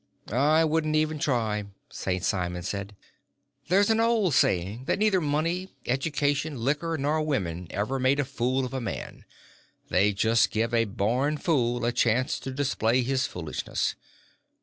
"I wouldn't even try," St. Simon said. "There's an old saying that neither money, education, liquor, nor women ever made a fool of a man, they just give a born fool a chance to display his foolishness.